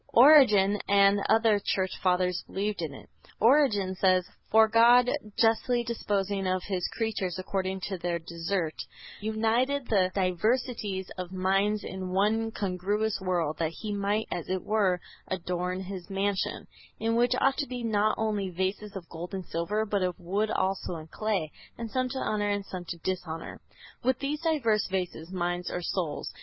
Origen and other Church Fathers believed in it. Origen says: "For God, justly disposing of his creatures according to their desert, united the diversities of minds in one congruous world, that he might, as it were, adorn his mansion (in which ought to be not only vases of gold and silver, but of wood also and clay, and some to honor and some to dishonor) with these diverse vases, minds or souls.